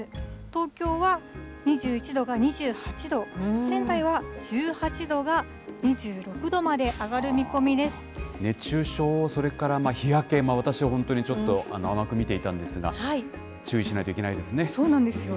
東京は２１度が２８度、仙台は１８度が２６度まで上がる見込みで熱中症、それから日焼け、私、本当にちょっと甘く見ていたんですが、注意しないといけないそうなんですよ。